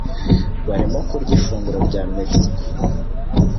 Barimo kurya ifunguro rya Mexico.